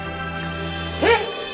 えっ！